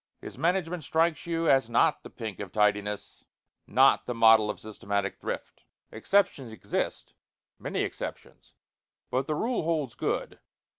His management strikes you as not the pink of tidiness, not the model of systematic thrift. Exceptions exist many exceptions but the rule holds good.